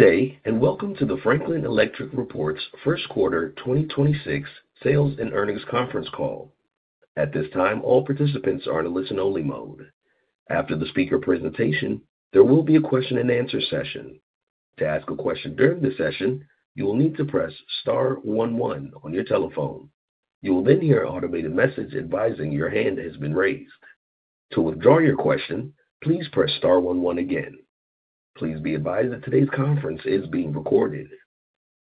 Good day, and welcome to the Franklin Electric reports first quarter 2026 sales and earnings conference call. At this time, all participants are in listen only mode. After the speaker presentation, there will be a question-and-answer session. To ask a question during the session, you will need to press star one one on your telephone. You will then hear an automated message advising your hand has been raised. To withdraw your question, please press star one one again. Please be advised that today's conference is being recorded.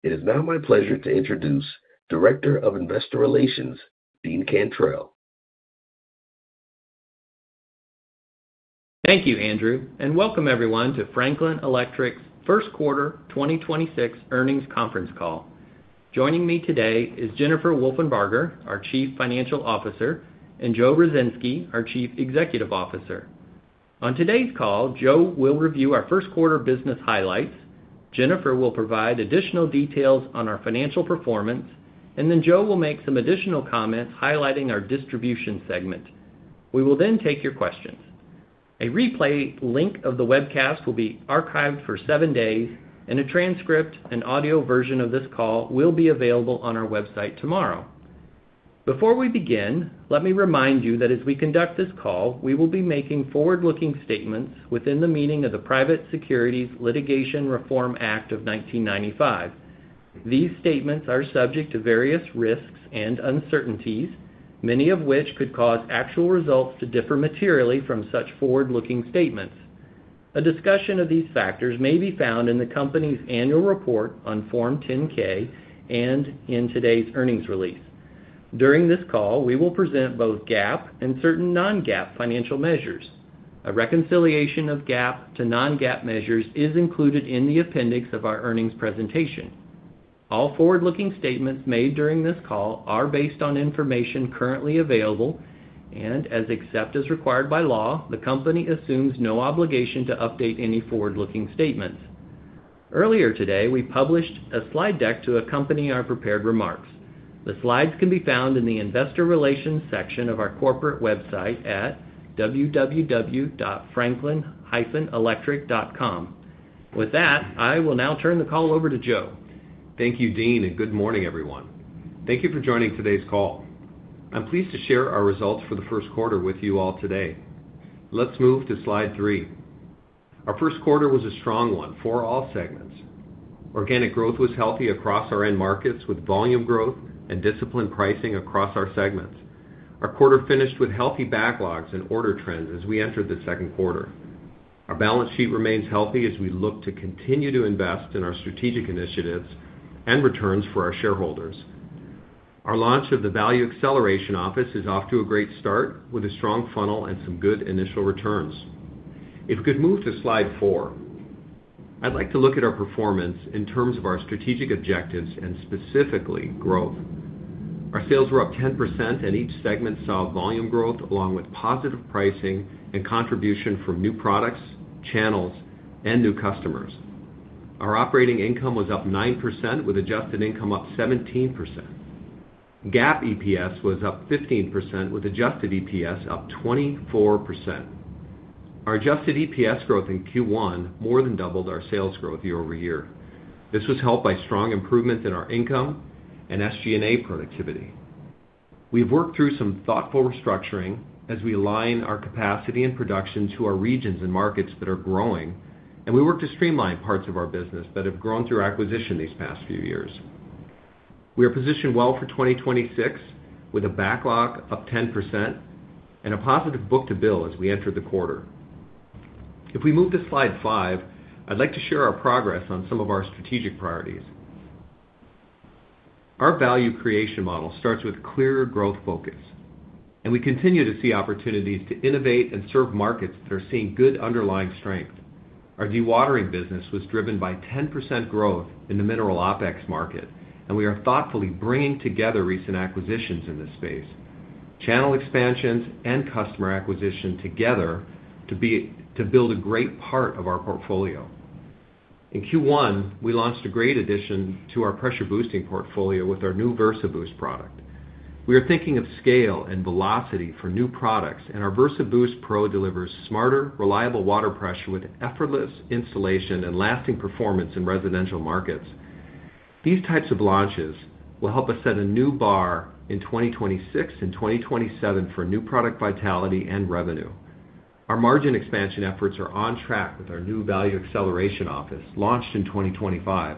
It is now my pleasure to introduce Director of Investor Relations, Dean Cantrell. Thank you, Andrew, and welcome everyone to Franklin Electric's first quarter 2026 earnings conference call. Joining me today is Jennifer Wolfenbarger, our Chief Financial Officer, and Joe Ruzynski, our Chief Executive Officer. On today's call, Joe will review our first quarter business highlights. Jennifer will provide additional details on our financial performance, and then Joe will make some additional comments highlighting our Distribution segment. We will take your questions. A replay link of the webcast will be archived for seven days, and a transcript and audio version of this call will be available on our website tomorrow. Before we begin, let me remind you that as we conduct this call, we will be making forward-looking statements within the meaning of the Private Securities Litigation Reform Act of 1995. These statements are subject to various risks and uncertainties, many of which could cause actual results to differ materially from such forward-looking statements. A discussion of these factors may be found in the company's annual report on Form 10-K and in today's earnings release. During this call, we will present both GAAP and certain non-GAAP financial measures. A reconciliation of GAAP to non-GAAP measures is included in the appendix of our earnings presentation. All forward-looking statements made during this call are based on information currently available, and as except as required by law, the company assumes no obligation to update any forward-looking statements. Earlier today, we published a slide deck to accompany our prepared remarks. The slides can be found in the Investor Relations section of our corporate website at www.franklin-electric.com. With that, I will now turn the call over to Joe. Thank you, Dean, and good morning, everyone. Thank you for joining today's call. I'm pleased to share our results for the first quarter with you all today. Let's move to slide three. Our first quarter was a strong one for all segments. Organic growth was healthy across our end markets with volume growth and disciplined pricing across our segments. Our quarter finished with healthy backlogs and order trends as we entered the second quarter. Our balance sheet remains healthy as we look to continue to invest in our strategic initiatives and returns for our shareholders. Our launch of the Value Acceleration Office is off to a great start with a strong funnel and some good initial returns. If we could move to slide four. I'd like to look at our performance in terms of our strategic objectives and specifically growth. Our sales were up 10% and each segment saw volume growth along with positive pricing and contribution from new products, channels, and new customers. Our operating income was up 9% with adjusted income up 17%. GAAP EPS was up 15% with adjusted EPS up 24%. Our adjusted EPS growth in Q1 more than doubled our sales growth year-over-year. This was helped by strong improvements in our income and SG&A productivity. We've worked through some thoughtful restructuring as we align our capacity and production to our regions and markets that are growing, and we work to streamline parts of our business that have grown through acquisition these past few years. We are positioned well for 2026 with a backlog up 10% and a positive book-to-bill as we enter the quarter. If we move to slide five, I'd like to share our progress on some of our strategic priorities. Our value creation model starts with clear growth focus, and we continue to see opportunities to innovate and serve markets that are seeing good underlying strength. Our dewatering business was driven by 10% growth in the mineral OpEx market, and we are thoughtfully bringing together recent acquisitions in this space. Channel expansions and customer acquisition together to build a great part of our portfolio. In Q1, we launched a great addition to our pressure boosting portfolio with our new VersaBoost product. We are thinking of scale and velocity for new products, and our VersaBoost Pro delivers smarter, reliable water pressure with effortless installation and lasting performance in residential markets. These types of launches will help us set a new bar in 2026 and 2027 for new product vitality and revenue. Our margin expansion efforts are on track with our new Value Acceleration Office launched in 2025.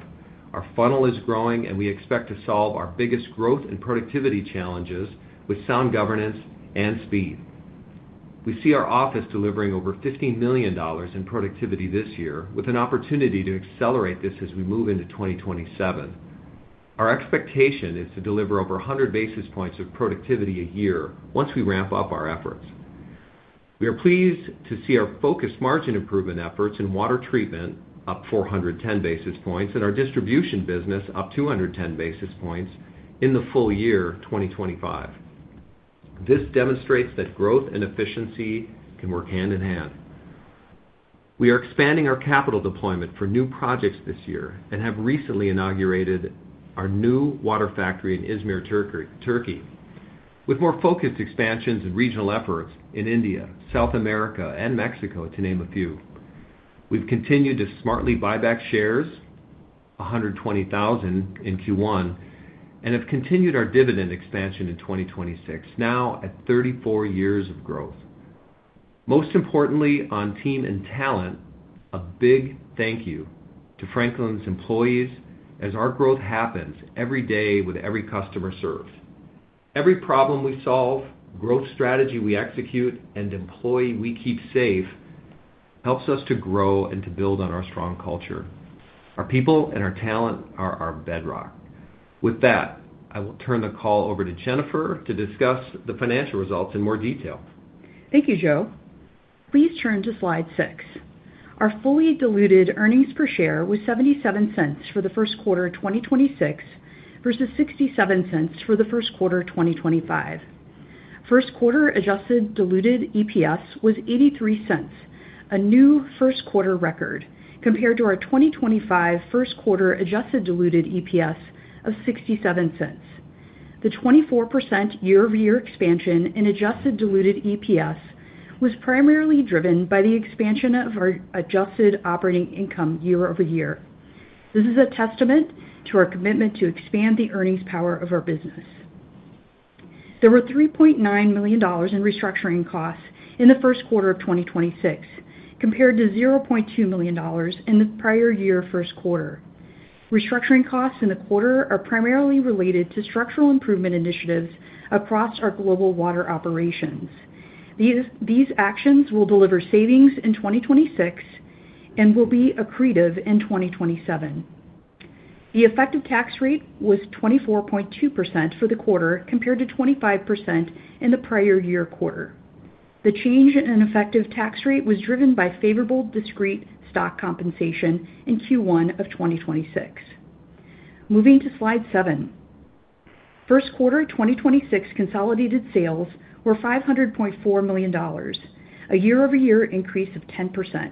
Our funnel is growing, and we expect to solve our biggest growth and productivity challenges with sound governance and speed. We see our office delivering over $15 million in productivity this year with an opportunity to accelerate this as we move into 2027. Our expectation is to deliver over 100 basis points of productivity a year once we ramp up our efforts. We are pleased to see our focused margin improvement efforts in water treatment up 410 basis points and our Distribution business up 210 basis points in the full year 2025. This demonstrates that growth and efficiency can work hand in hand. We are expanding our capital deployment for new projects this year and have recently inaugurated our new water factory in Izmir, Turkey. With more focused expansions and regional efforts in India, South America, and Mexico to name a few. We've continued to smartly buy back shares, 120,000 in Q1, and have continued our dividend expansion in 2026, now at 34 years of growth. Most importantly, on team and talent, a big thank you to Franklin's employees as our growth happens every day with every customer served. Every problem we solve, growth strategy we execute, and employee we keep safe, helps us to grow and to build on our strong culture. Our people and our talent are our bedrock. With that, I will turn the call over to Jennifer to discuss the financial results in more detail. Thank you, Joe. Please turn to slide six. Our fully diluted earnings per share was $0.77 for the first quarter of 2026 versus $0.67 for the first quarter of 2025. First quarter adjusted diluted EPS was $0.83, a new first quarter record compared to our 2025 first quarter adjusted diluted EPS of $0.67. The 24% year-over-year expansion in adjusted diluted EPS was primarily driven by the expansion of our adjusted operating income year-over-year. This is a testament to our commitment to expand the earnings power of our business. There were $3.9 million in restructuring costs in the first quarter of 2026, compared to $0.2 million in the prior year first quarter. Restructuring costs in the quarter are primarily related to structural improvement initiatives across our global water operations. These actions will deliver savings in 2026 and will be accretive in 2027. The effective tax rate was 24.2% for the quarter, compared to 25% in the prior year quarter. The change in an effective tax rate was driven by favorable discrete stock compensation in Q1 of 2026. Moving to slide seven. First quarter 2026 consolidated sales were $500.4 million, a year-over-year increase of 10%.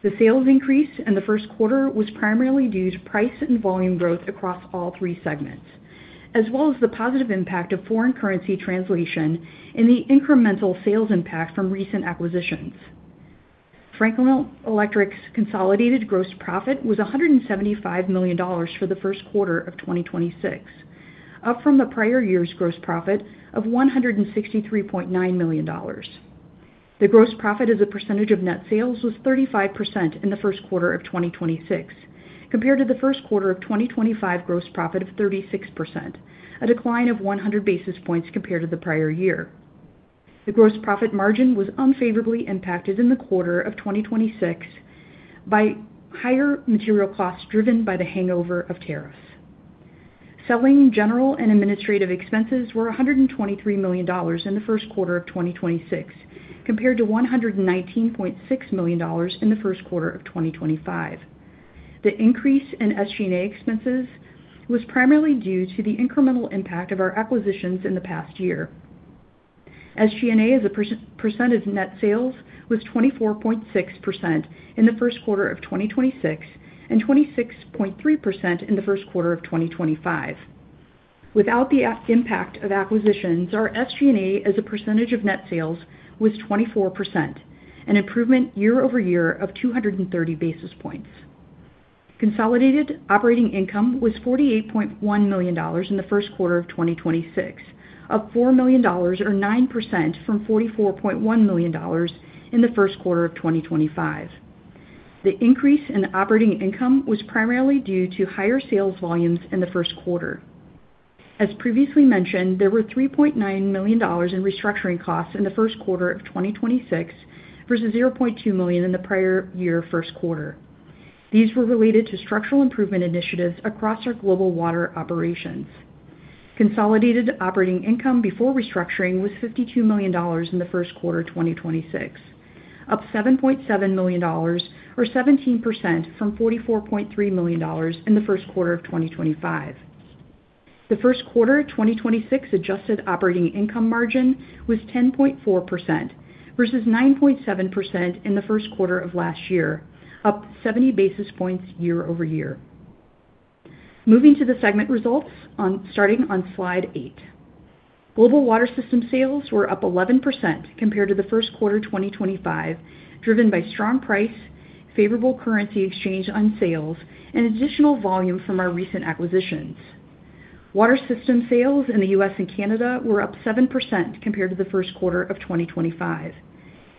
The sales increase in the first quarter was primarily due to price and volume growth across all three segments, as well as the positive impact of foreign currency translation and the incremental sales impact from recent acquisitions. Franklin Electric's consolidated gross profit was $175 million for the first quarter of 2026, up from the prior year's gross profit of $163.9 million. The gross profit as a percentage of net sales was 35% in the first quarter of 2026 compared to the first quarter of 2025 gross profit of 36%, a decline of 100 basis points compared to the prior year. The gross profit margin was unfavorably impacted in the quarter of 2026 by higher material costs driven by the hangover of tariffs. Selling, general, and administrative expenses were $123 million in the first quarter of 2026 compared to $119.6 million in the first quarter of 2025. The increase in SG&A expenses was primarily due to the incremental impact of our acquisitions in the past year. SG&A as a percentage of net sales was 24.6% in the first quarter of 2026 and 26.3% in the first quarter of 2025. Without the impact of acquisitions, our SG&A as a percentage of net sales was 24%, an improvement year-over-year of 230 basis points. Consolidated operating income was $48.1 million in the first quarter of 2026, up $4 million or 9% from $44.1 million in the first quarter of 2025. The increase in operating income was primarily due to higher sales volumes in the first quarter. As previously mentioned, there were $3.9 million in restructuring costs in the first quarter of 2026 versus $0.2 million in the prior year first quarter. These were related to structural improvement initiatives across our global water operations. Consolidated operating income before restructuring was $52 million in the first quarter of 2026, up $7.7 million or 17% from $44.3 million in the first quarter of 2025. The first quarter of 2026 adjusted operating income margin was 10.4% versus 9.7% in the first quarter of last year, up 70 basis points year-over-year. Moving to the segment results starting on slide eight. Global Water Systems sales were up 11% compared to the first quarter of 2025, driven by strong price, favorable currency exchange on sales, and additional volume from our recent acquisitions. Water Systems sales in the U.S. and Canada were up 7% compared to the first quarter of 2025.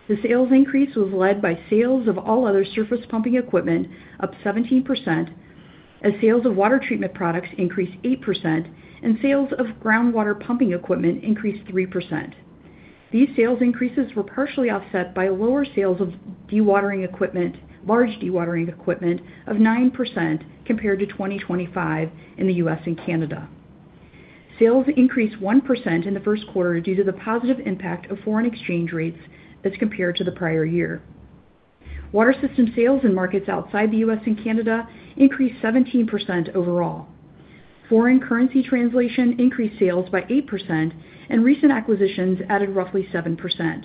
The sales increase was led by sales of all other surface pumping equipment up 17% as sales of water treatment products increased 8% and sales of groundwater pumping equipment increased 3%. These sales increases were partially offset by lower sales of dewatering equipment, large dewatering equipment of 9% compared to 2025 in the U.S. and Canada. Sales increased 1% in the first quarter due to the positive impact of foreign exchange rates as compared to the prior year. Water Systems sales in markets outside the U.S. and Canada increased 17% overall. Foreign currency translation increased sales by 8% and recent acquisitions added roughly 7%.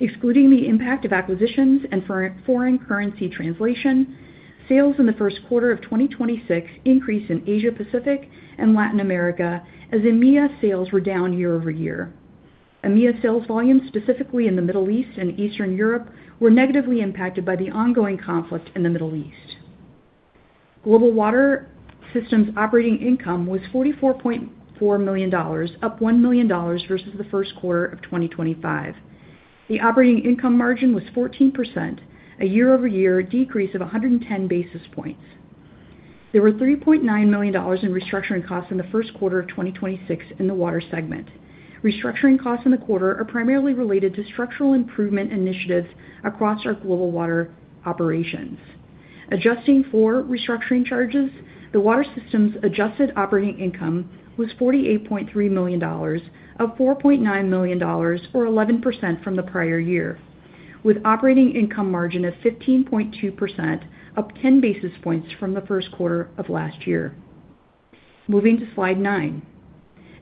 Excluding the impact of acquisitions and foreign currency translation, sales in the first quarter of 2026 increased in Asia-Pacific and Latin America as EMEA sales were down year-over-year. EMEA sales volume, specifically in the Middle East and Eastern Europe, were negatively impacted by the ongoing conflict in the Middle East. Global Water Systems operating income was $44.4 million, up $1 million versus the first quarter of 2025. The operating income margin was 14%, a year-over-year decrease of 110 basis points. There were $3.9 million in restructuring costs in the first quarter of 2026 in the water segment. Restructuring costs in the quarter are primarily related to structural improvement initiatives across our global water operations. Adjusting for restructuring charges, the Water Systems adjusted operating income was $48.3 million, up $4.9 million or 11% from the prior year, with operating income margin of 15.2%, up 10 basis points from the first quarter of last year. Moving to slide nine.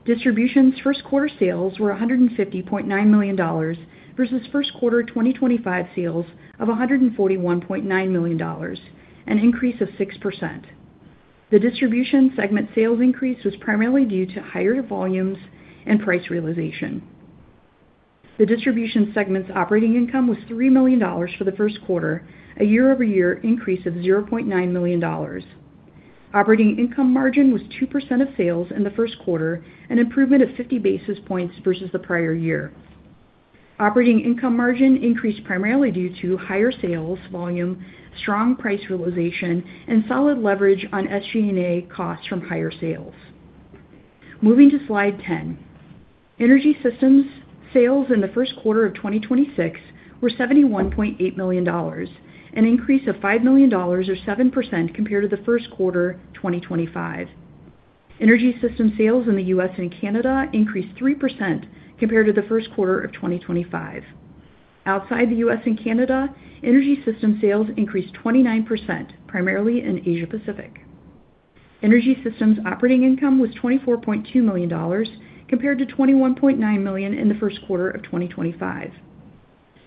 Distribution's first quarter sales were $150.9 million versus first quarter 2025 sales of $141.9 million, an increase of 6%. The Distribution segment sales increase was primarily due to higher volumes and price realization. The Distribution segment's operating income was $3 million for the first quarter, a year-over-year increase of $0.9 million. Operating income margin was 2% of sales in the first quarter, an improvement of 50 basis points versus the prior year. Operating income margin increased primarily due to higher sales volume, strong price realization, and solid leverage on SG&A costs from higher sales. Moving to slide 10. Energy Systems sales in the first quarter of 2026 were $71.8 million, an increase of $5 million or 7% compared to the first quarter 2025. Energy Systems sales in the U.S. and Canada increased 3% compared to the first quarter of 2025. Outside the U.S. and Canada, Energy Systems sales increased 29%, primarily in Asia-Pacific. Energy Systems operating income was $24.2 million compared to $21.9 million in the first quarter of 2025.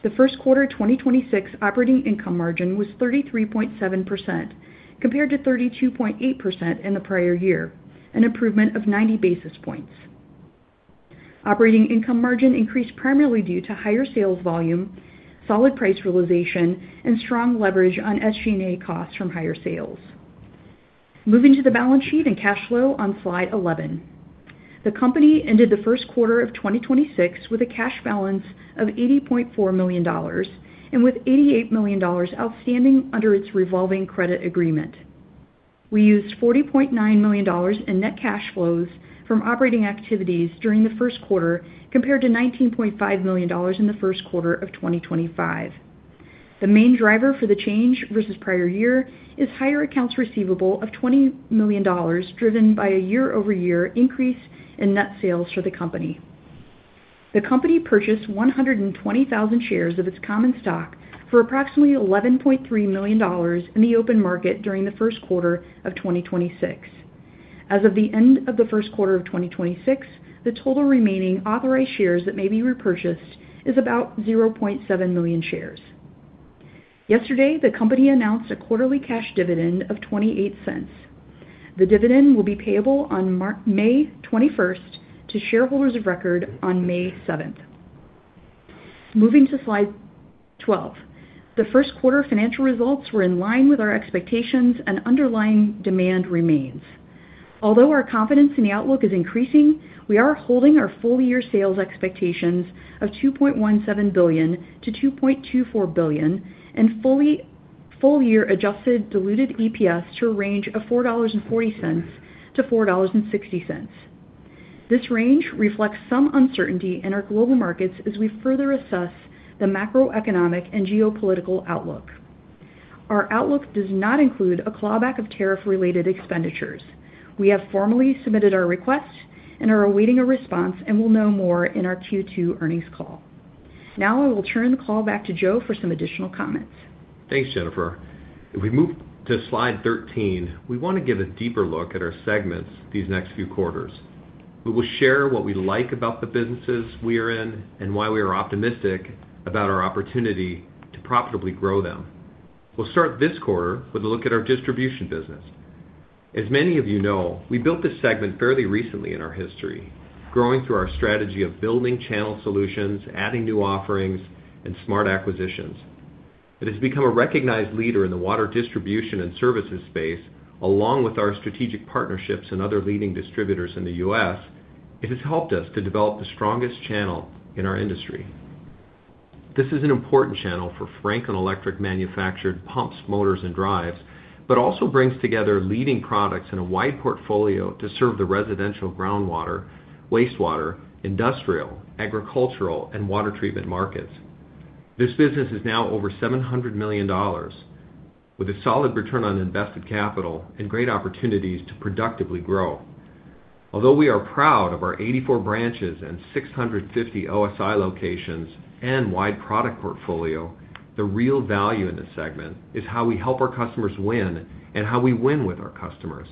The first quarter 2026 operating income margin was 33.7% compared to 32.8% in the prior year, an improvement of 90 basis points. Operating income margin increased primarily due to higher sales volume, solid price realization, and strong leverage on SGA costs from higher sales. Moving to the balance sheet and cash flow on slide 11. The company ended the first quarter of 2026 with a cash balance of $80.4 million and with $88 million outstanding under its revolving credit agreement. We used $40.9 million in net cash flows from operating activities during the first quarter compared to $19.5 million in the first quarter of 2025. The main driver for the change versus prior year is higher accounts receivable of $20 million, driven by a year-over-year increase in net sales for the company. The company purchased 120,000 shares of its common stock for approximately $11.3 million in the open market during the first quarter of 2026. As of the end of the first quarter of 2026, the total remaining authorized shares that may be repurchased is about 0.7 million shares. Yesterday, the company announced a quarterly cash dividend of $0.28. The dividend will be payable on May 21st to shareholders of record on May 7th. Moving to slide 12. The first quarter financial results were in line with our expectations and underlying demand remains. Although our confidence in the outlook is increasing, we are holding our full year sales expectations of $2.17 billion-$2.24 billion and full year adjusted diluted EPS to a range of $4.40-$4.60. This range reflects some uncertainty in our global markets as we further assess the macroeconomic and geopolitical outlook. Our outlook does not include a clawback of tariff-related expenditures. We have formally submitted our request and are awaiting a response, and we'll know more in our Q2 earnings call. I will turn the call back to Joe for some additional comments. Thanks, Jennifer. If we move to slide 13, we want to give a deeper look at our segments these next few quarters. We will share what we like about the businesses we are in and why we are optimistic about our opportunity to profitably grow them. We'll start this quarter with a look at our Distribution business. As many of you know, we built this segment fairly recently in our history, growing through our strategy of building channel solutions, adding new offerings, and smart acquisitions. It has become a recognized leader in the water distribution and services space, along with our strategic partnerships and other leading distributors in the U.S. It has helped us to develop the strongest channel in our industry. This is an important channel for Franklin Electric manufactured pumps, motors, and drives, but also brings together leading products in a wide portfolio to serve the residential groundwater, wastewater, industrial, agricultural, and water treatment markets. This business is now over $700 million with a solid return on invested capital and great opportunities to productively grow. Although we are proud of our 84 branches and 650 OSI locations and wide product portfolio, the real value in this segment is how we help our customers win and how we win with our customers.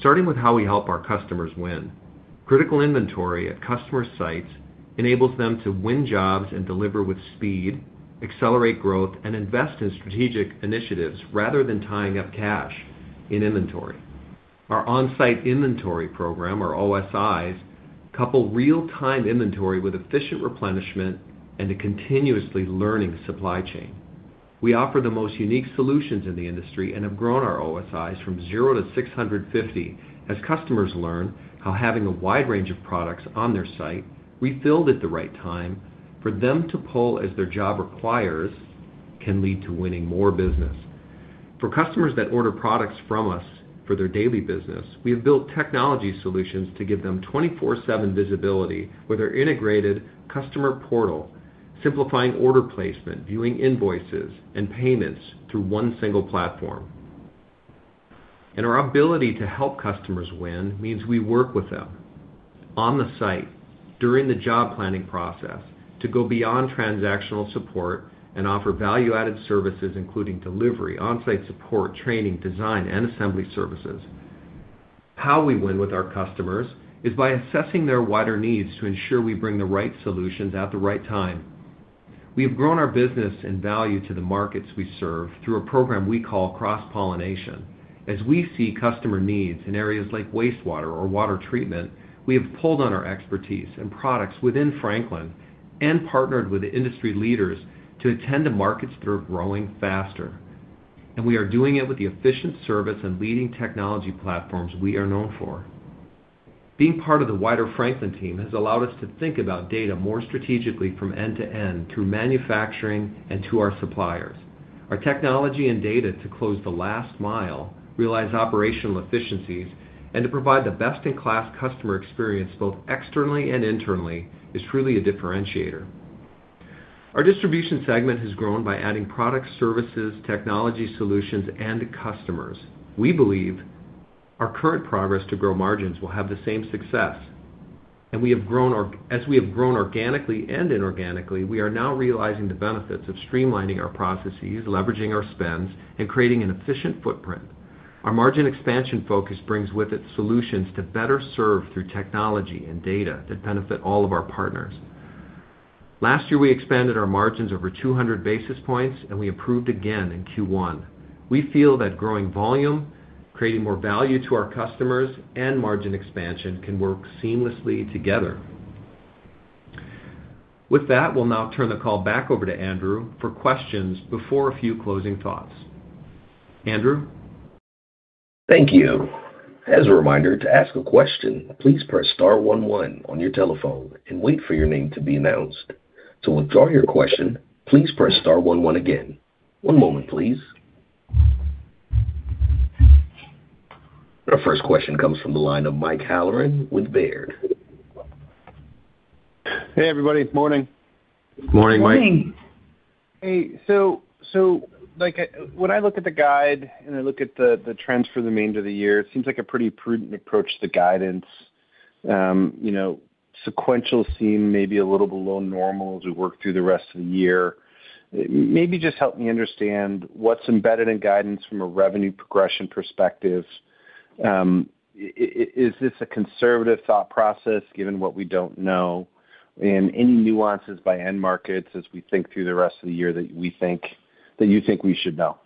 Starting with how we help our customers win. Critical inventory at customer sites enables them to win jobs and deliver with speed, accelerate growth, and invest in strategic initiatives rather than tying up cash in inventory. Our on-site inventory program, our OSIs, couple real-time inventory with efficient replenishment and a continuously learning supply chain. We offer the most unique solutions in the industry and have grown our OSIs from zero to 650 as customers learn how having a wide range of products on their site refilled at the right time for them to pull as their job requires can lead to winning more business. For customers that order products from us for their daily business, we have built technology solutions to give them 24/7 visibility with our integrated customer portal, simplifying order placement, viewing invoices, and payments through one single platform. Our ability to help customers win means we work with them on the site during the job planning process to go beyond transactional support and offer value-added services, including delivery, on-site support, training, design, and assembly services. How we win with our customers is by assessing their wider needs to ensure we bring the right solutions at the right time. We have grown our business and value to the markets we serve through a program we call cross-pollination. As we see customer needs in areas like wastewater or water treatment, we have pulled on our expertise and products within Franklin and partnered with industry leaders to attend to markets that are growing faster. We are doing it with the efficient service and leading technology platforms we are known for. Being part of the wider Franklin team has allowed us to think about data more strategically from end to end through manufacturing and to our suppliers. Our technology and data to close the last mile, realize operational efficiencies, and to provide the best-in-class customer experience, both externally and internally, is truly a differentiator. Our Distribution segment has grown by adding products, services, technology solutions, and customers. We believe our current progress to grow margins will have the same success. We have grown organically and inorganically, we are now realizing the benefits of streamlining our processes, leveraging our spends, and creating an efficient footprint. Our margin expansion focus brings with it solutions to better serve through technology and data that benefit all of our partners. Last year, we expanded our margins over 200 basis points, and we improved again in Q1. We feel that growing volume, creating more value to our customers, and margin expansion can work seamlessly together. With that, we will now turn the call back over to Andrew for questions before a few closing thoughts. Andrew? Thank you. As a reminder, to ask a question, please press star one one on your telephone and wait for your name to be announced. To withdraw your question, please press star one one again. One moment, please. Our first question comes from the line of Mike Halloran with Baird. Hey, everybody. Morning. Morning, Mike. Morning. Hey. Like, when I look at the guide and I look at the trends for the remainder of the year, it seems like a pretty prudent approach to guidance. You know, sequential seem maybe a little below normal as we work through the rest of the year. Maybe just help me understand what's embedded in guidance from a revenue progression perspective. Is this a conservative thought process given what we don't know? Any nuances by end markets as we think through the rest of the year that you think we should know?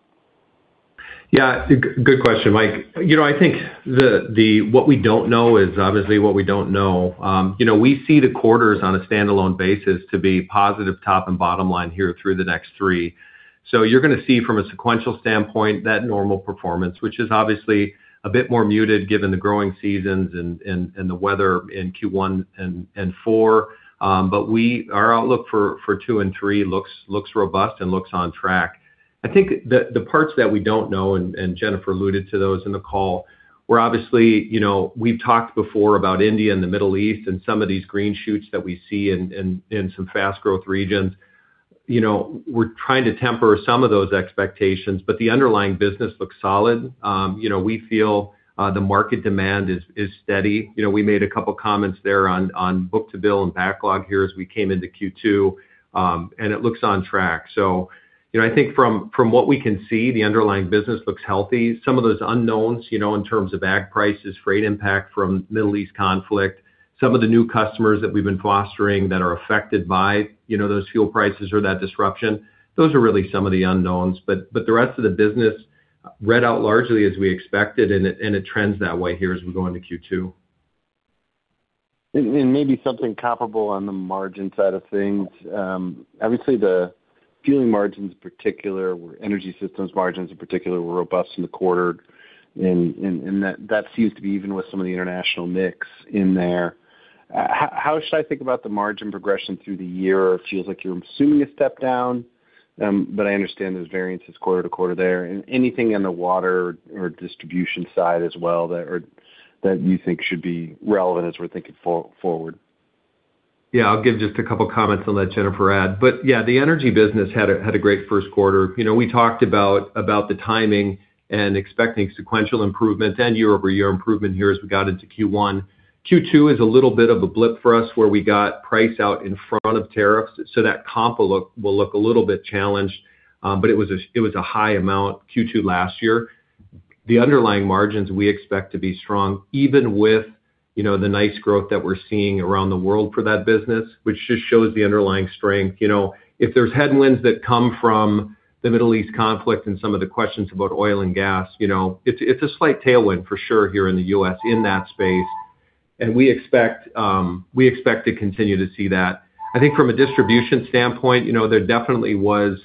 Yeah. Good question, Mike. You know, I think the what we don't know is obviously what we don't know. You know, we see the quarters on a standalone basis to be positive top and bottom line here through the next three. You're gonna see from a sequential standpoint that normal performance, which is obviously a bit more muted given the growing seasons and the weather in Q1 and 4. Our outlook for Q2 and Q3 looks robust and looks on track. I think the parts that we don't know, and Jennifer alluded to those in the call, we're obviously, you know, we've talked before about India and the Middle East and some of these green shoots that we see in some fast growth regions. You know, we're trying to temper some of those expectations, but the underlying business looks solid. You know, we feel the market demand is steady. You know, we made a couple comments there on book-to-bill and backlog here as we came into Q2, and it looks on track. You know, I think from what we can see, the underlying business looks healthy. Some of those unknowns, you know, in terms of Ag prices, freight impact from Middle East conflict, some of the new customers that we've been fostering that are affected by, you know, those fuel prices or that disruption, those are really some of the unknowns. The rest of the business read out largely as we expected, and it trends that way here as we go into Q2. Maybe something comparable on the margin side of things. Obviously, the fueling margins in particular, or Energy Systems margins in particular were robust in the quarter. That seems to be even with some of the international mix in there. How should I think about the margin progression through the year? It feels like you're assuming a step down, but I understand there's variances quarter to quarter there. Anything in the Water Systems or Distribution side as well that you think should be relevant as we're thinking forward? I'll give just a couple comments on that, Jennifer. The Energy Systems business had a great first quarter. You know, we talked about the timing and expecting sequential improvements and year-over-year improvement here as we got into Q1. Q2 is a little bit of a blip for us, where we got price out in front of tariffs. That comp will look a little bit challenged, it was a high amount Q2 last year. The underlying margins we expect to be strong even with, you know, the nice growth that we're seeing around the world for that business, which just shows the underlying strength. You know, if there's headwinds that come from the Middle East conflict and some of the questions about oil and gas, you know, it's a slight tailwind for sure here in the U.S. in that space. We expect to continue to see that. I think from a Distribution standpoint, you know, there definitely was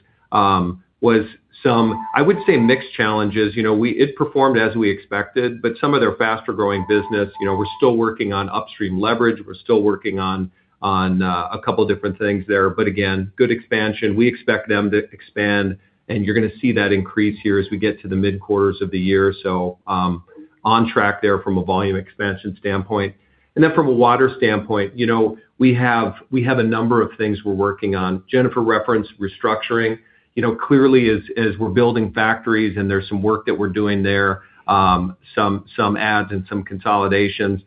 some, I would say, mixed challenges. You know, it performed as we expected, but some of their faster-growing business, you know, we're still working on upstream leverage. We're still working on a couple different things there. Again, good expansion. We expect them to expand, you're gonna see that increase here as we get to the mid-quarters of the year. On track there from a volume expansion standpoint. Then from a water standpoint, you know, we have a number of things we're working on. Jennifer referenced restructuring. You know, clearly as we're building factories and there's some work that we're doing there, some adds and some consolidations,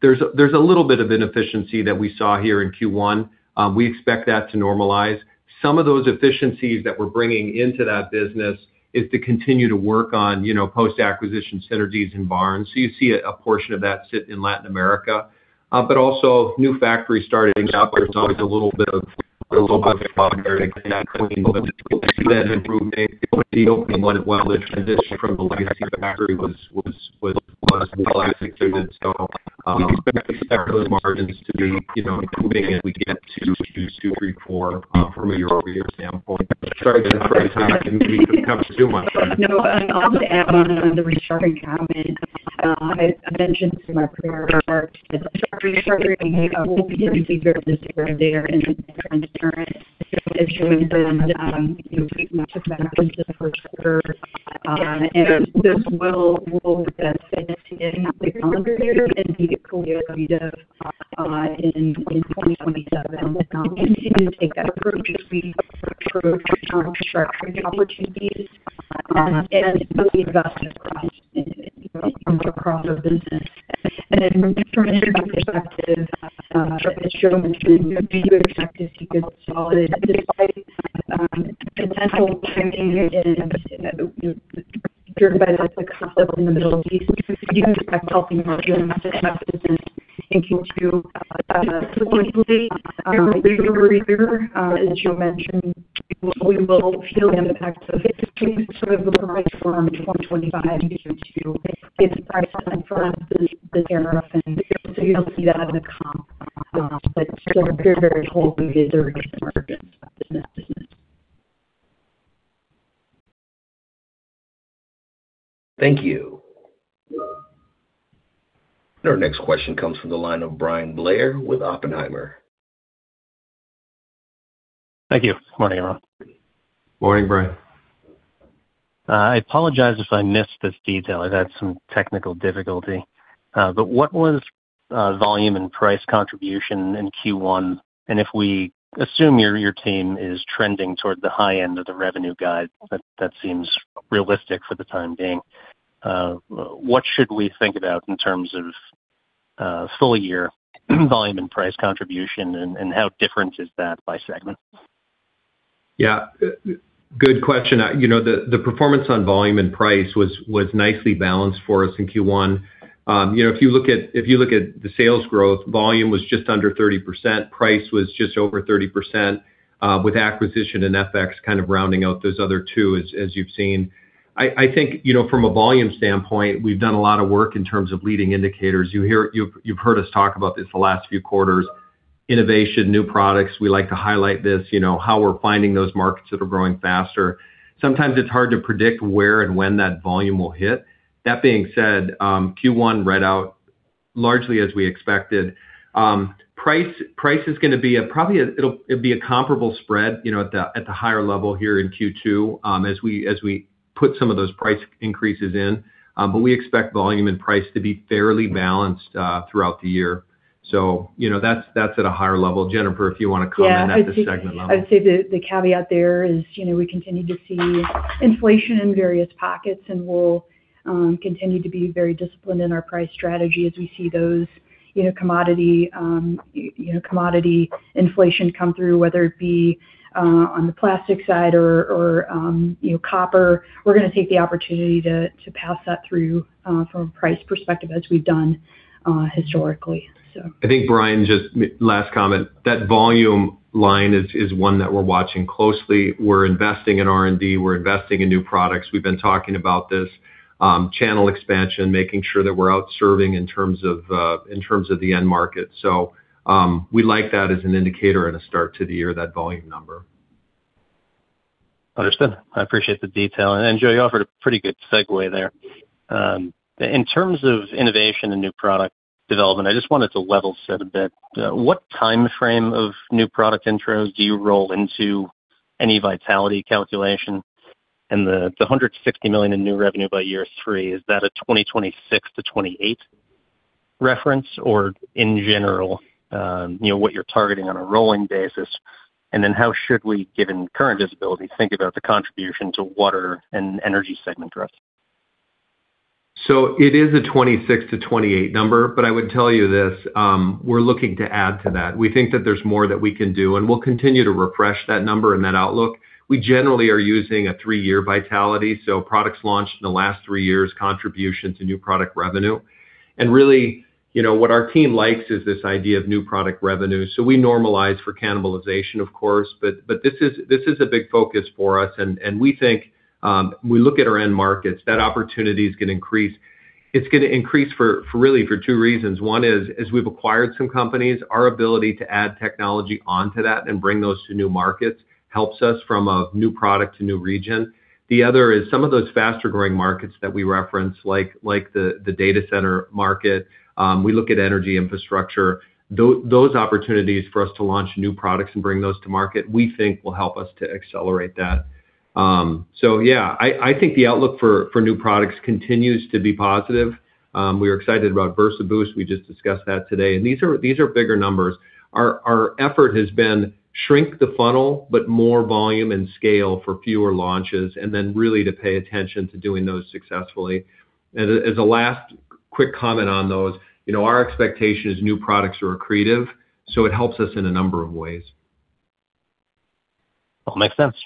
there's a little bit of inefficiency that we saw here in Q1. We expect that to normalize. Some of those efficiencies that we're bringing into that business is to continue to work on, you know, post-acquisition synergies in Barnes. You see a portion of that sit in Latin America. Also new factories starting up. There's always a little bit of bother in that. We'll see that improve maybe with the opening one. While the transition from the legacy factory was well executed, we expect those margins to be, you know, improving as we get to two, three, four from a year-over-year standpoint. Sorry to interrupt you. Maybe you can cover two more. No, I'll just add on the restructuring comment. I mentioned this in my prepared remarks that restructuring will be very visible this year and there in terms of showing up, you know, taking those benefits to the first quarter. Those will get finished in the calendar year as we get fully loaded up, in 2027. We'll continue to take that approach as we look for structuring opportunities, and fully invest across in, you know, across our business. Then from an energy perspective, as Joe mentioned, we do expect to see good solid despite the potential timing in, you know, driven by the conflict in the Middle East. We do expect healthy margins in that business in Q2, quarter-over-quarter. As Joe mentioned, we will feel the impact of sort of the price from 2025 into its price from the tariff. You'll see that in the comp. Sort of very, very healthy, very strong margins in that business. Thank you. Our next question comes from the line of Bryan Blair with Oppenheimer. Thank you. Morning, all. Morning, Bryan. I apologize if I missed this detail. I've had some technical difficulty. What was volume and price contribution in Q1? If we assume your team is trending toward the high end of the revenue guide, that seems realistic for the time being, what should we think about in terms of full year volume and price contribution, and how different is that by segment? Yeah. Good question. You know, the performance on volume and price was nicely balanced for us in Q1. You know, if you look at the sales growth, volume was just under 30%. Price was just over 30%, with acquisition and FX kind of rounding out those other two as you've seen. I think, you know, from a volume standpoint, we've done a lot of work in terms of leading indicators. You've heard us talk about this the last few quarters. Innovation, new products, we like to highlight this, you know, how we're finding those markets that are growing faster. Sometimes it's hard to predict where and when that volume will hit. That being said, Q1 read out largely as we expected. Price is gonna be probably it'll be a comparable spread, you know, at the, at the higher level here in Q2, as we put some of those price increases in. We expect volume and price to be fairly balanced, throughout the year. You know, that's at a higher level. Jennifer, if you wanna comment at the segment level. Yeah. I'd say the caveat there is, you know, we continue to see inflation in various pockets. We'll continue to be very disciplined in our price strategy as we see those, you know, commodity, you know, commodity inflation come through, whether it be on the plastic side or, you know, copper. We're going to take the opportunity to pass that through from a price perspective as we've done historically. I think, Bryan, just last comment. That volume line is one that we're watching closely. We're investing in R&D. We're investing in new products. We've been talking about this channel expansion, making sure that we're out serving in terms of in terms of the end market. We like that as an indicator and a start to the year, that volume number. Understood. I appreciate the detail. Joe, you offered a pretty good segue there. In terms of innovation and new product development, I just wanted to level set a bit. What timeframe of new product intros do you roll into any vitality calculation? The $160 million in new revenue by year three, is that a 2026-2028 reference or in general, you know, what you're targeting on a rolling basis? How should we, given current visibility, think about the contribution to Water Systems and Energy Systems segment growth? It is a 26%-28% number, but I would tell you this, we're looking to add to that. We think that there's more that we can do, and we'll continue to refresh that number and that outlook. We generally are using a three-year vitality, so products launched in the last three years contribution to new product revenue. Really, you know, what our team likes is this idea of new product revenue. We normalize for cannibalization, of course, but this is a big focus for us. We think, we look at our end markets, that opportunity is going to increase. It's going to increase for really two reasons. One is, as we've acquired some companies, our ability to add technology onto that and bring those to new markets helps us from a new product to new region. The other is some of those faster-growing markets that we reference, like the data center market, we look at energy infrastructure. Those opportunities for us to launch new products and bring those to market, we think will help us to accelerate that. Yeah, I think the outlook for new products continues to be positive. We are excited about VersaBoost. We just discussed that today. These are bigger numbers. Our effort has been shrink the funnel, but more volume and scale for fewer launches, and then really to pay attention to doing those successfully. As a last quick comment on those, you know, our expectation is new products are accretive, so it helps us in a number of ways. All makes sense.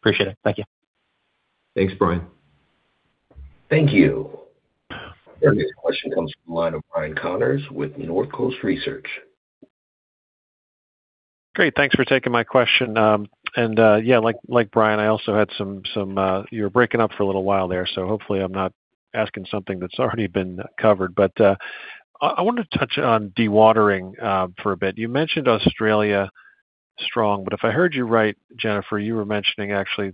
Appreciate it. Thank you. Thanks, Bryan. Thank you. Our next question comes from the line of Ryan Connors with Northcoast Research. Great. Thanks for taking my question. Yeah, like Bryan, I also had some. You were breaking up for a little while there, so hopefully I'm not asking something that's already been covered. I wanted to touch on dewatering for a bit. You mentioned Australia strong, if I heard you right, Jennifer, you were mentioning actually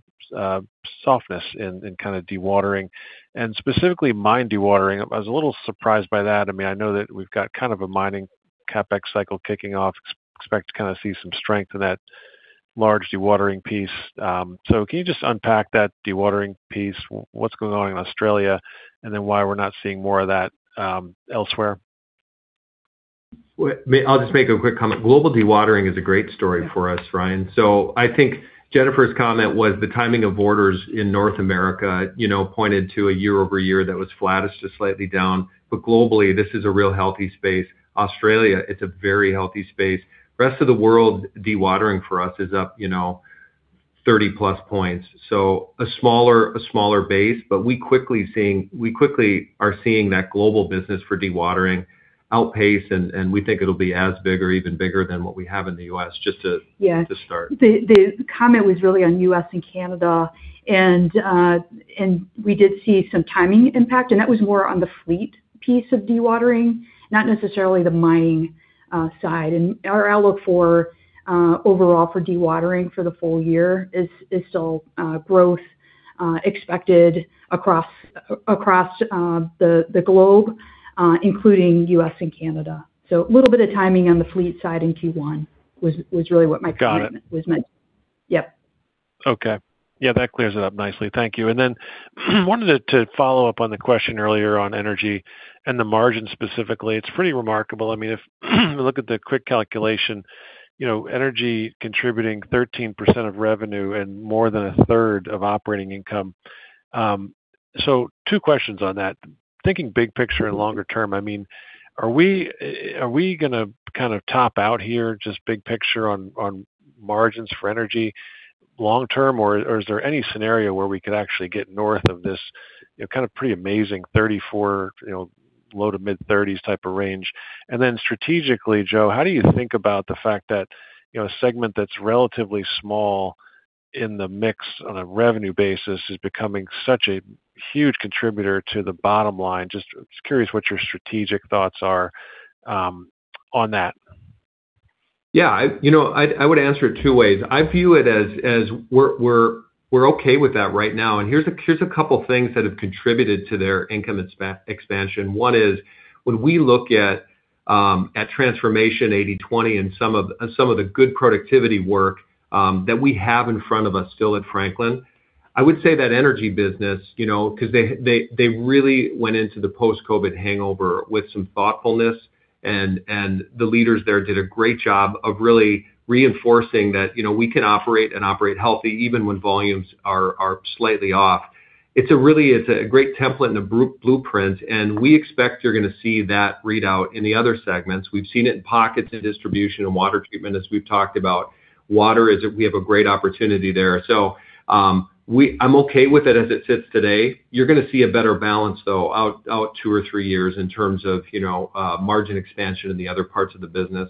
softness in kind of dewatering and specifically mine dewatering. I was a little surprised by that. I mean, I know that we've got kind of a mining CapEx cycle kicking off, expect to kind of see some strength in that large dewatering piece. Can you just unpack that dewatering piece, what's going on in Australia, and then why we're not seeing more of that elsewhere? I'll just make a quick comment. Global dewatering is a great story for us, Ryan. I think Jennifer's comment was the timing of orders in North America, you know, pointed to a year-over-year that was flattish to slightly down. Globally, this is a real healthy space. Australia, it's a very healthy space. Rest of the world, dewatering for us is up, you know, 30+ points. A smaller base, we quickly are seeing that global business for dewatering outpace, and we think it'll be as big or even bigger than what we have in the U.S., just to. Yeah Just to start. The comment was really on U.S. and Canada. We did see some timing impact, and that was more on the fleet piece of dewatering, not necessarily the mining side. Our outlook for overall for dewatering for the full year is still growth expected across the globe, including U.S. and Canada. A little bit of timing on the fleet side in Q1 was really what my comment. Got it.... was meant. Yep. Okay. Yeah, that clears it up nicely. Thank you. Then wanted to follow up on the question earlier on energy and the margin specifically. It's pretty remarkable. I mean, if you look at the quick calculation, you know, energy contributing 13% of revenue and more than a third of operating income. Two questions on that. Thinking big picture and longer term, I mean, are we, are we gonna kind of top out here, just big picture on margins for energy long term, or is there any scenario where we could actually get north of this, you know, kind of pretty amazing 34%, you know, low to mid-30% type of range? Strategically, Joe, how do you think about the fact that, you know, a segment that's relatively small in the mix on a revenue basis is becoming such a huge contributor to the bottom line? Just curious what your strategic thoughts are on that? Yeah. You know, I would answer it two ways. I view it as we're okay with that right now. Here's a couple things that have contributed to their income expansion. One is, when we look at transformation 80/20 and some of the good productivity work that we have in front of us still at Franklin Electric, I would say that Energy Systems, you know, 'cause they really went into the post-COVID hangover with some thoughtfulness, and the leaders there did a great job of really reinforcing that, you know, we can operate and operate healthy even when volumes are slightly off. It's a great template and a blueprint. We expect you're gonna see that readout in the other segments. We've seen it in pockets in Distribution and water treatment as we've talked about. Water, we have a great opportunity there. I'm okay with it as it sits today. You're gonna see a better balance, though, out two or three years in terms of, you know, margin expansion in the other parts of the business.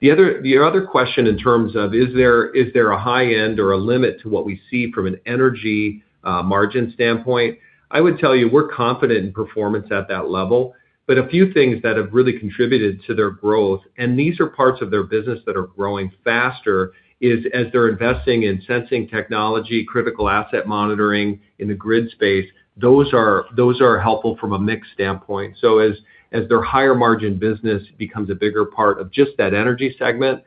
The other question in terms of is there a high end or a limit to what we see from an Energy margin standpoint, I would tell you we're confident in performance at that level. A few things that have really contributed to their growth, and these are parts of their business that are growing faster, is as they're investing in sensing technology, critical asset monitoring in the grid space, those are helpful from a mix standpoint. As their higher margin business becomes a bigger part of just that Energy segment,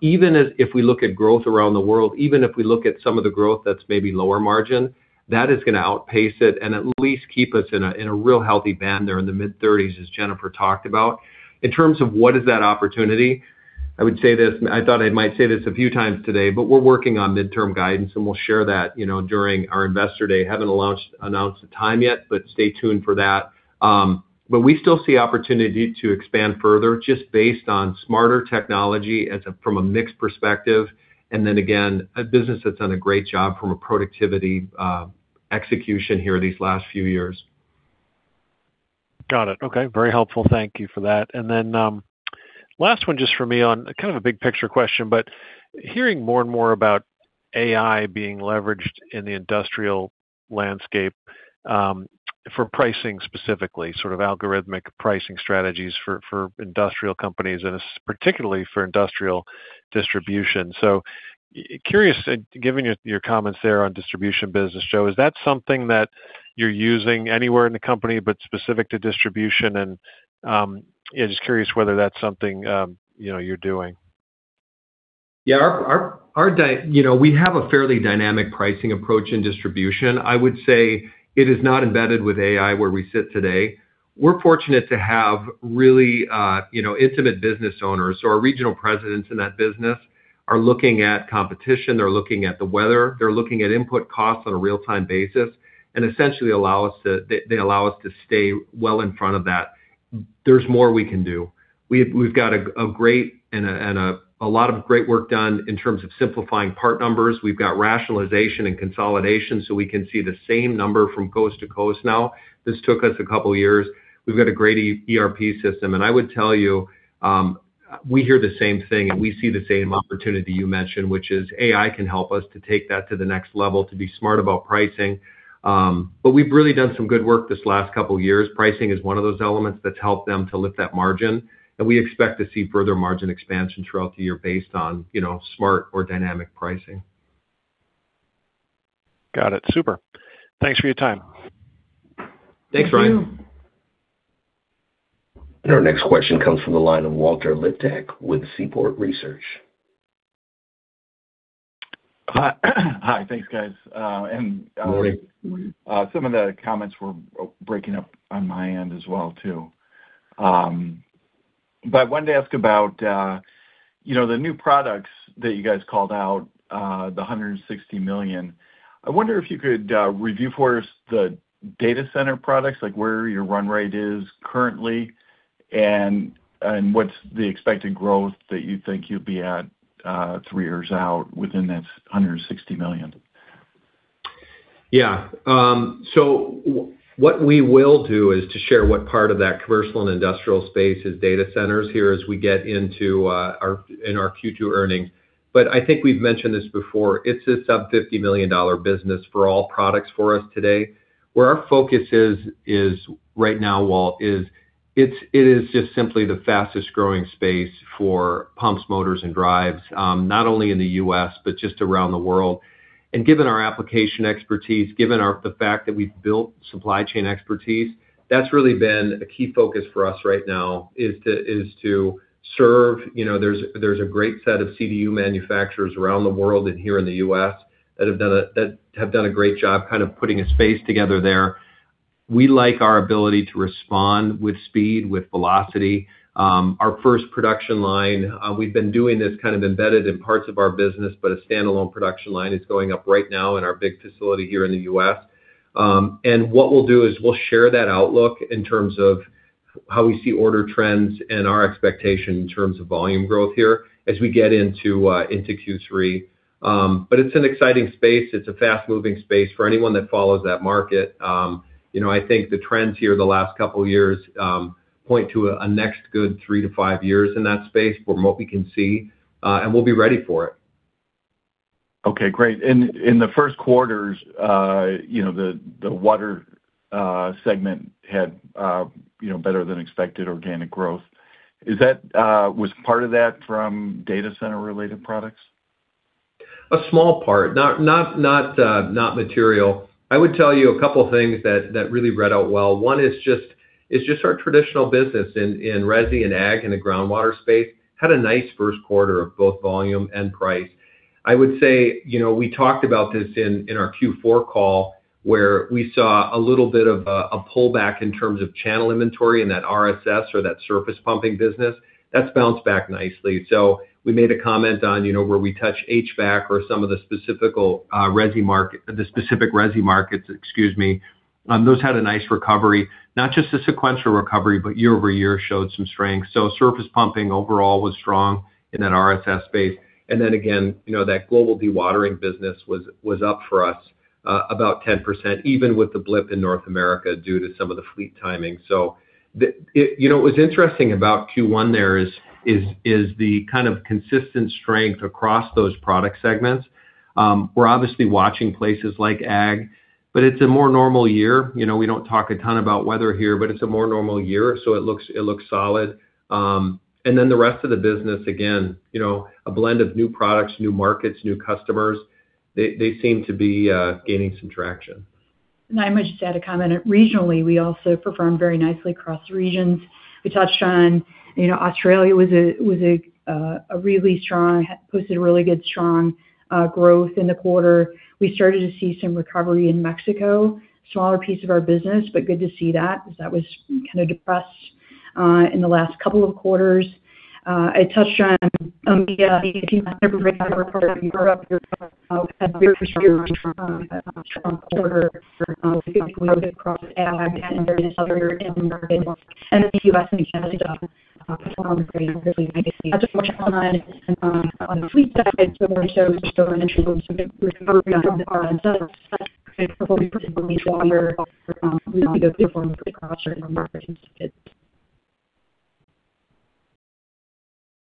even if we look at growth around the world, even if we look at some of the growth that's maybe lower margin, that is going to outpace it and at least keep us in a real healthy band there in the mid-30%, as Jennifer talked about. In terms of what is that opportunity, I would say this, I thought I might say this a few times today, but we're working on midterm guidance, and we will share that, you know, during our investor day. Haven't announced a time yet, but stay tuned for that. We still see opportunity to expand further just based on smarter technology from a mix perspective, and again, a business that's done a great job from a productivity, execution here these last few years. Got it. Okay, very helpful. Thank you for that. Last one just from me on kind of a big picture question, but hearing more and more about AI being leveraged in the industrial landscape for pricing specifically, sort of algorithmic pricing strategies for industrial companies and particularly for industrial Distribution. Curious, given your comments there on Distribution business, Joe, is that something that you're using anywhere in the company but specific to Distribution? Yeah, just curious whether that's something, you know, you're doing. Yeah. Our, you know, we have a fairly dynamic pricing approach in Distribution. I would say it is not embedded with AI where we sit today. We're fortunate to have really, you know, intimate business owners. Our regional presidents in that business are looking at competition, they're looking at the weather, they're looking at input costs on a real-time basis, and essentially they allow us to stay well in front of that. There's more we can do. We've got a great and a lot of great work done in terms of simplifying part numbers. We've got rationalization and consolidation. We can see the same number from coast to coast now. This took us a couple years. We've got a great ERP system. I would tell you, we hear the same thing, and we see the same opportunity you mentioned, which is AI can help us to take that to the next level, to be smart about pricing. But we've really done some good work this last couple years. Pricing is one of those elements that's helped them to lift that margin, and we expect to see further margin expansion throughout the year based on, you know, smart or dynamic pricing. Got it. Super. Thanks for your time. Thanks, Ryan. Thank you. Our next question comes from the line of Walter Liptak with Seaport Research Partners. Hi. Hi. Thanks, guys. Morning. Some of the comments were breaking up on my end as well too. I wanted to ask about, you know, the new products that you guys called out, the $160 million. I wonder if you could review for us the data center products, like where your run rate is currently and what's the expected growth that you think you'll be at three years out within that $160 million? Yeah. What we will do is to share what part of that commercial and industrial space is data centers here as we get into our, in our future earnings. I think we've mentioned this before, it's a sub $50 million business for all products for us today. Where our focus is right now, Walt, it is just simply the fastest growing space for pumps, motors and drives, not only in the U.S., but just around the world. Given our application expertise, given the fact that we've built supply chain expertise, that's really been a key focus for us right now, is to serve. You know, there's a great set of CDU manufacturers around the world and here in the U.S. that have done a great job kind of putting a space together there. We like our ability to respond with speed, with velocity. Our first production line, we've been doing this kind of embedded in parts of our business, but a standalone production line is going up right now in our big facility here in the U.S. What we'll do is we'll share that outlook in terms of how we see order trends and our expectation in terms of volume growth here as we get into Q3. It's an exciting space. It's a fast-moving space for anyone that follows that market. you know, I think the trends here the last couple years, point to a next good three to five years in that space from what we can see, and we'll be ready for it. Okay, great. In the first quarters, you know, the water segment had, you know, better than expected organic growth. Is that, was part of that from data center related products? A small part. Not material. I would tell you a couple things that really read out well. One is just, it's just our traditional business in resi and Ag and the groundwater space had a nice first quarter of both volume and price. I would say, you know, we talked about this in our Q4 call, where we saw a little bit of a pullback in terms of channel inventory in that RSS or that surface pumping business. That's bounced back nicely. We made a comment on, you know, where we touch HVAC or some of the specific, the specific resi markets, excuse me. Those had a nice recovery, not just a sequential recovery, but year-over-year showed some strength. Surface pumping overall was strong in that RSS space. Again, you know, that global dewatering business was up for us about 10%, even with the blip in North America due to some of the fleet timing. You know, what's interesting about Q1 there is the kind of consistent strength across those product segments. We're obviously watching places like ag, but it's a more normal year. You know, we don't talk a ton about weather here, but it's a more normal year, so it looks solid. The rest of the business, again, you know, a blend of new products, new markets, new customers. They seem to be gaining some traction. I might just add a comment. Regionally, we also performed very nicely across regions. We touched on, you know, Australia posted a really good strong growth in the quarter. We started to see some recovery in Mexico. Smaller piece of our business, but good to see that, because that was kind of depressed. In the last couple of quarters, I touched on EMEA. Had very strong quarter across Ag and various other end markets. The U.S. and Canada, performance. Just touch on the fleet side, we showed strong entry recovery on our.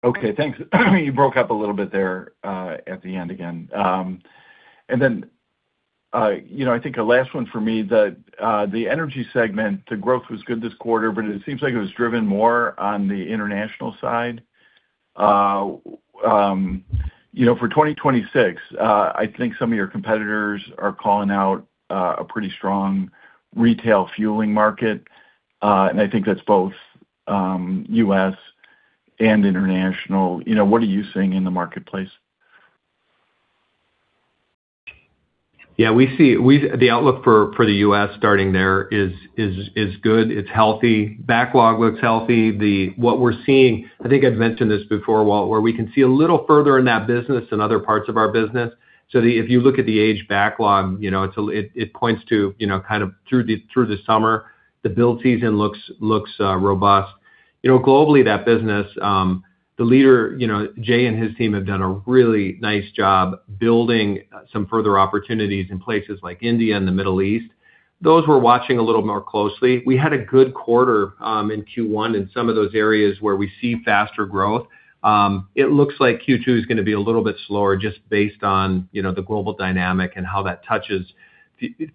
Okay, thanks. You broke up a little bit there at the end again. You know, I think a last one for me that the Energy Systems segment, the growth was good this quarter, but it seems like it was driven more on the international side. You know, for 2026, I think some of your competitors are calling out a pretty strong retail fueling market, and I think that's both U.S. and international. You know, what are you seeing in the marketplace? Yeah, the outlook for the U.S. starting there is good, it's healthy. Backlog looks healthy. What we're seeing, I think I'd mentioned this before, Walt, where we can see a little further in that business than other parts of our business. If you look at the age backlog, you know, it points to, you know, kind of through the summer. The build season looks robust. You know, globally, that business, the leader, you know, Jay and his team have done a really nice job building some further opportunities in places like India and the Middle East. Those we're watching a little more closely. We had a good quarter in Q1 in some of those areas where we see faster growth. It looks like Q2 is gonna be a little bit slower just based on, you know, the global dynamic and how that touches.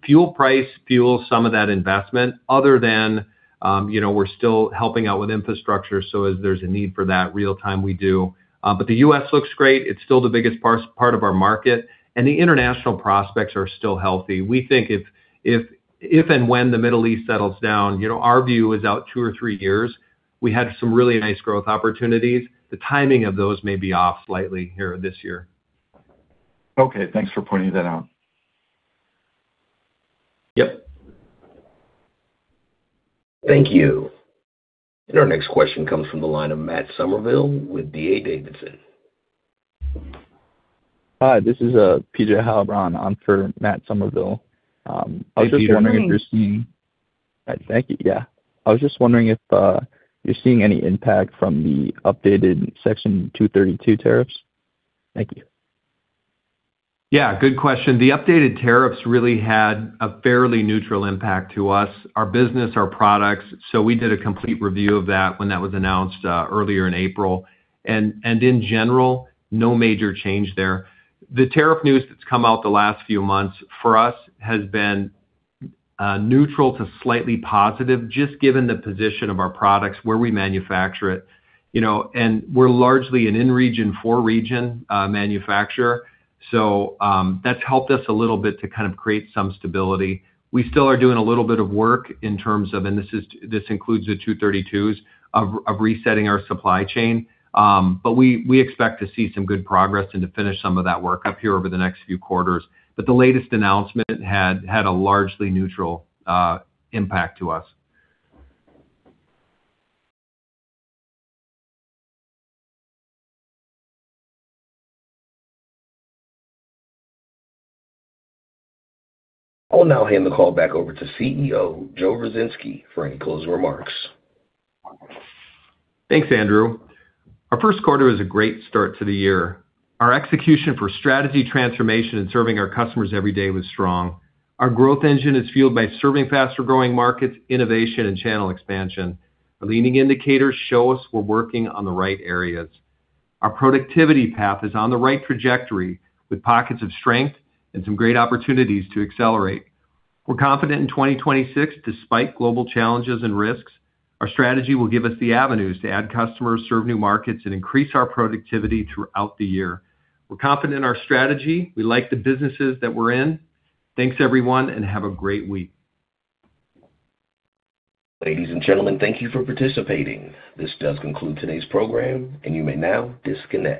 Fuel price fuels some of that investment other than, you know, we're still helping out with infrastructure. As there's a need for that real-time, we do. The U.S. looks great. It's still the biggest part of our market. The international prospects are still healthy. We think if and when the Middle East settles down, you know, our view is out two or three years. We had some really nice growth opportunities. The timing of those may be off slightly here this year. Okay. Thanks for pointing that out. Yep. Thank you. Our next question comes from the line of Matt Summerville with D.A. Davidson. Hi, this is PJ Heilbronn. I'm for Matt Summerville. I was just wondering if you're seeing? Thank you. Thank you. Yeah. I was just wondering if you're seeing any impact from the updated Section 232 tariffs? Thank you. Yeah, good question. The updated tariffs really had a fairly neutral impact to us, our business, our products. We did a complete review of that when that was announced earlier in April. In general, no major change there. The tariff news that's come out the last few months, for us, has been neutral to slightly positive, just given the position of our products, where we manufacture it. You know, we're largely an in-region, for-region manufacturer, so that's helped us a little bit to kind of create some stability. We still are doing a little bit of work in terms of, this includes the Section 232s, of resetting our supply chain. We expect to see some good progress and to finish some of that work up here over the next few quarters. The latest announcement had a largely neutral impact to us. I'll now hand the call back over to CEO, Joe Ruzynski, for any closing remarks. Thanks, Andrew. Our first quarter was a great start to the year. Our execution for strategy transformation and serving our customers every day was strong. Our growth engine is fueled by serving faster-growing markets, innovation, and channel expansion. Our leading indicators show us we're working on the right areas. Our productivity path is on the right trajectory, with pockets of strength and some great opportunities to accelerate. We're confident in 2026 despite global challenges and risks. Our strategy will give us the avenues to add customers, serve new markets, and increase our productivity throughout the year. We're confident in our strategy. We like the businesses that we're in. Thanks, everyone, and have a great week. Ladies and gentlemen, thank you for participating. This does conclude today's program, and you may now disconnect.